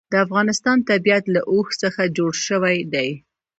د افغانستان طبیعت له اوښ څخه جوړ شوی دی.